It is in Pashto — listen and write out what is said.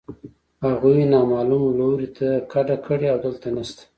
هغوی نامعلوم لوري ته کډه کړې او دلته نشته